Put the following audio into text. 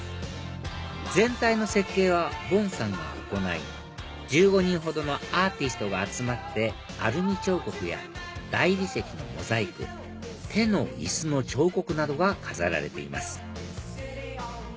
全体の設計は梵さんが行い１５人ほどのアーティストが集まってアルミ彫刻や大理石のモザイク手の椅子の彫刻などが飾られています